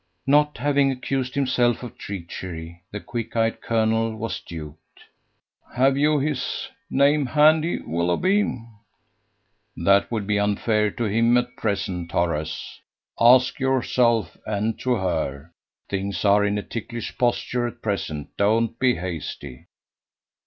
Not having accused himself of treachery, the quick eyed colonel was duped. "Have you his name handy, Willoughby?" "That would be unfair to him at present, Horace ask yourself and to her. Things are in a ticklish posture at present. Don't be hasty."